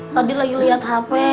tadi lagi liat hp